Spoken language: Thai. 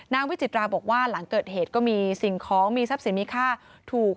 วิจิตราบอกว่าหลังเกิดเหตุก็มีสิ่งของมีทรัพย์สินมีค่าถูก